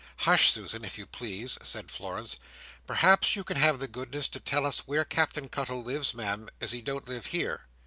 "Hush, Susan! If you please!" said Florence. "Perhaps you can have the goodness to tell us where Captain Cuttle lives, Ma'am as he don't live here."